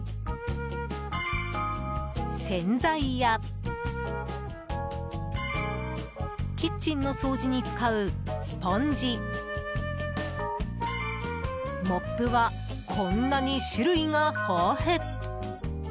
洗剤やキッチンの掃除に使うスポンジモップは、こんなに種類が豊富。